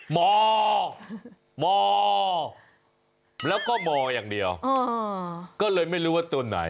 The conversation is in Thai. มมแล้วก็มอย่างเดียวก็เลยไม่รู้ว่าตัวไหน